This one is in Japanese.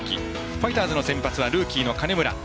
ファイターズの先発はルーキーの金村。